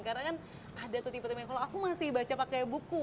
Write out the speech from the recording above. karena kan ada tipe tipe yang kalau aku masih baca pakai buku